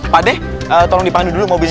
pak deh tolong dipandu dulu mobilnya